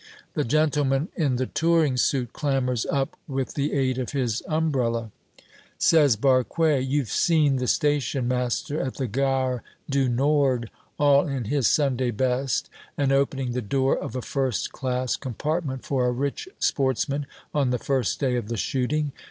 The gentleman in the touring suit clambers up with the aid of his umbrella. Says Barque, "You've seen the station master at the Gare du Nord, all in his Sunday best, and opening the door of a first class compartment for a rich sportsman on the first day of the shooting?